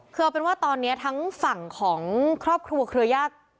คือเอาเป็นว่าตอนนี้ทั้งฝั่งของครอบครัวเครือญาติ